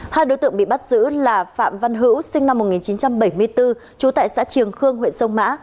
hai đối tượng bị bắt giữ là phạm văn hữu sinh năm một nghìn chín trăm bảy mươi bốn trú tại xã triềng khương huyện sông mã